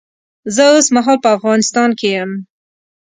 زه اوس مهال په افغانستان کې یم